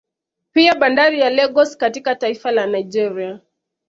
Pia bandari ya Lagos katika taifa la Nigeria